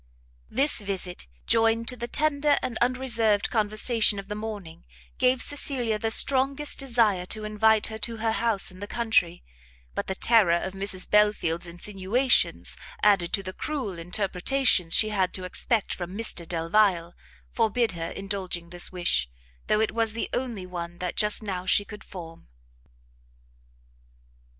This visit, joined to the tender and unreserved conversation of the morning, gave Cecilia the strongest desire to invite her to her house in the country; but the terror of Mrs Belfield's insinuations, added to the cruel interpretations she had to expect from Mr Delvile, forbid her indulging this wish, though it was the only one that just now she could form.